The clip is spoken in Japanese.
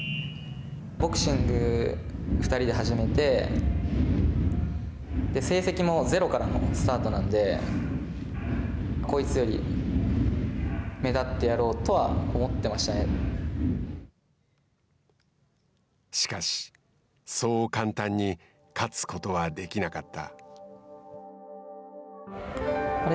ボクシング、２人で始めて成績もゼロからのスタートなんでこいつより目立ってやろうとはしかし、そう簡単に勝つ事はできなかった。